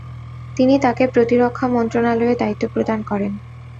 তিনি তাকে প্রতিরক্ষা মন্ত্রণালয়ের দায়িত্ব প্রদান করেন।